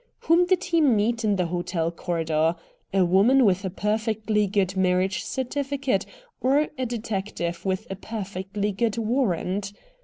Whom did he meet in the hotel corridor? A woman with a perfectly good marriage certificate, or a detective with a perfectly good warrant?